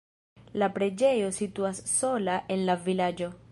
La preĝejo situas sola en la vilaĝo.